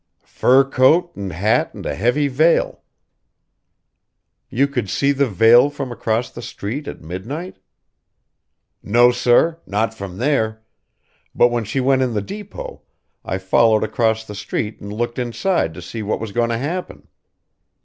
"Fur coat and hat and a heavy veil." "You could see the veil from across the street at midnight?" "No sir. Not from there. But when she went in the depot, I followed across the street and looked inside to see what was goin' to happen."